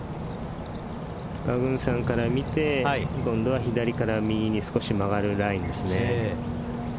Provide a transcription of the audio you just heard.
パグンサンから見て今度は左から右に少し曲がるラインですね。